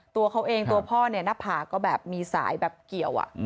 ตัวเขาเองตัวพ่อเนี่ยหน้าผากก็แบบมีสายแบบเกี่ยว